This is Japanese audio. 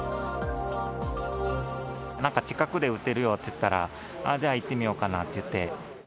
なんか、近くで打てるよっていったら、じゃあ、行ってみよかなっていって。